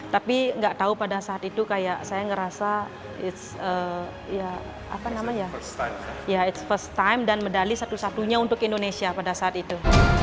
tapi gak tahu pada saat itu kayak saya ngerasa it's first time dan medali satu satunya untuk indonesia pada saat itu